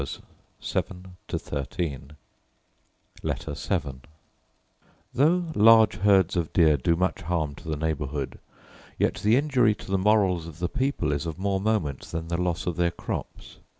Letter VII To Thomas Pennant, Esquire Though large herds of deer do much harm to the neighbourhood, yet the injury to the morals of the people is of more moment than the loss of their crops.